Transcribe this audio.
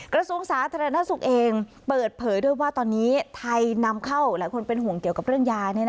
กระทรวงสาธารณสุขเองเปิดเผยด้วยว่าตอนนี้ไทยนำเข้าหลายคนเป็นห่วงเกี่ยวกับเรื่องยา